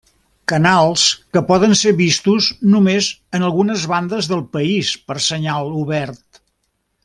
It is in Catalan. Canals que poden ser vistos només en algunes bandes del país per senyal obert.